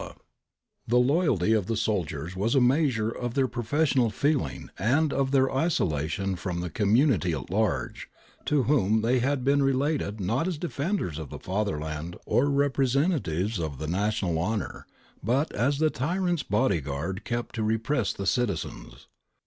TtJRR CRUSHES OUT REACTION 187 The loyalty of the soldiers was a measure of their professional feeling and of their isolation from the com munity at large, to whom they had been related not as defenders of the fatherland or representatives of the national honour, but as the tyrant's body guard kept to repress the citizens.